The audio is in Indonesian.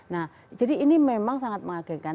nah jadi ini memang sangat mengagetkan